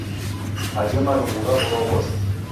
Aghaje marughu ghaw'urwa ghose